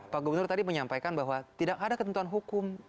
pak gubernur tadi menyampaikan bahwa tidak ada ketentuan hukum